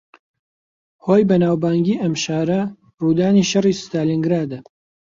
ھۆی بەناوبانگی ئەم شارە، ڕوودانی شەڕی ستالینگرادە